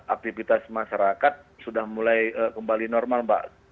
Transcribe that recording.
aktivitas masyarakat sudah mulai kembali normal mbak